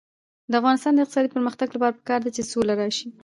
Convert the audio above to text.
د افغانستان د اقتصادي پرمختګ لپاره پکار ده چې سوله راشي.